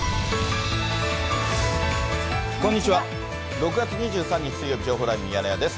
６月２３日水曜日、情報ライブミヤネ屋です。